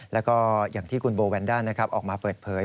แล้วก็อย่างที่คุณโบแวนด้าออกมาเปิดเผย